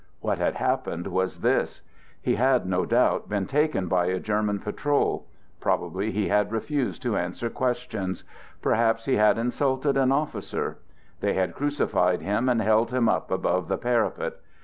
What had happened was this: He had, no doubt, been taken by a German patrol. Probably he had refused to answer questions. Perhaps he had insulted an officer. They had crucified him and held him up above the parapet.